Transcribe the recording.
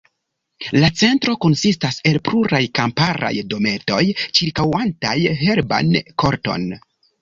La Centro konsistas el pluraj kamparaj dometoj ĉirkaŭantaj herban korton.